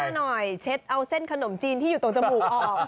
หน่อยเช็ดเอาเส้นขนมจีนที่อยู่ตรงจมูกออก